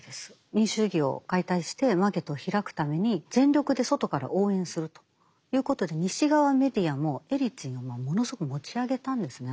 民主主義を解体してマーケットを開くために全力で外から応援するということで西側メディアもエリツィンをものすごく持ち上げたんですね